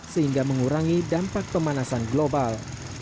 sehingga mengurangi dampak pemanasan global